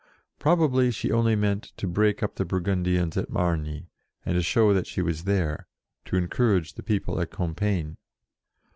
Probably she only meant to break up the Burgundians at Margny, and show that she was there, to encourage the people at Compiegne.